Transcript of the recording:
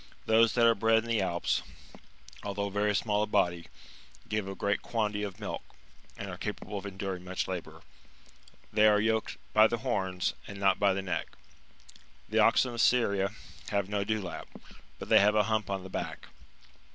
Those that are bred in the Alps, although very small of body, give a great quantity of milk, and are capable of enduiing much labour ; they are yoked by the horns, and not by the neck. The oxen of Syria have no dewlap, but they have a hump on the back.